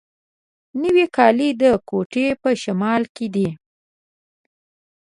نوی کلی د کوټي په شمال کي دی.